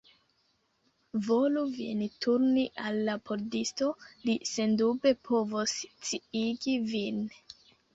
Volu vin turni al la pordisto; li sendube povos sciigi vin.